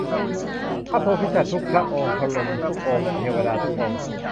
พระโพธิสัตว์ทุกพระองค์ พรหมทุกองค์ เทวดาทุกองค์